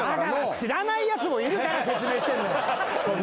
知らない奴もいるから説明してんの。